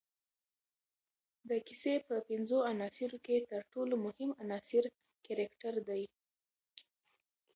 د کیسې په پنځو عناصروکښي ترټولو مهم عناصر کرکټر دئ.